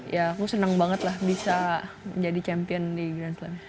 ya aku senang banget lah bisa menjadi champion di grand slam